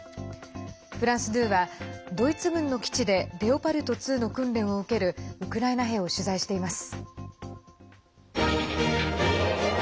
フランス２はドイツ軍の基地でレオパルト２の訓練を受けるウクライナ兵を取材しています。